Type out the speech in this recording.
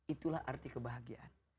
itulah arti kebahagiaan